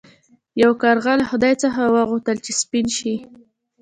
یو کارغه له خدای څخه وغوښتل چې سپین شي.